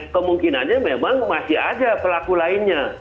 kemungkinannya memang masih ada pelaku lainnya